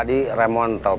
kala kasus warren